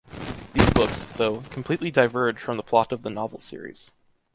These books, though, completely diverge from the plot of the novel series.